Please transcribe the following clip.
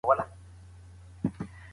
د ټولني بدلونونه چا مطالعه کړل؟